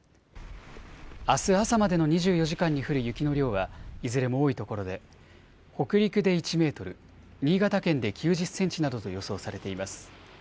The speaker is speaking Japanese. あす朝までの２４時間に降る雪の量はいずれも多いところで北陸で１メートル、新潟県で９０センチなどと予想されています。